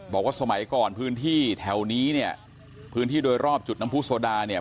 บอกว่าสมัยก่อนพื้นที่แถวนี้เนี่ยพื้นที่โดยรอบจุดน้ำผู้โซดาเนี่ย